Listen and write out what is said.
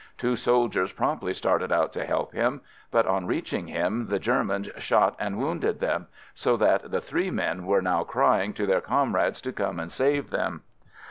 Two soldiers promptly started out to help him, but on reaching him the Germans shot and wounded them, so that the three men were now crying to their comrades to come and save them.